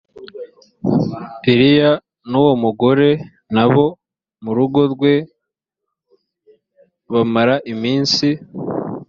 eliya n uwo mugore n abo mu rugo rwe bamara iminsi